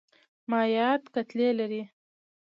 مایعات کتلې لري.